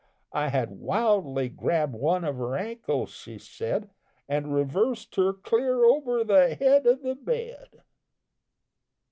I had wildly grabb'd one of her ankles, she said, An' reversed her clear over the head of the bed.